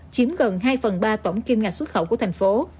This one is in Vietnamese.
chiếm gần hai phần ba tổng kim ngạch xuất khẩu của thành phố